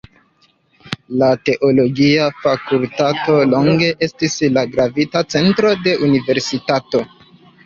La teologia fakultato longe estis la gravita centro de la universitato.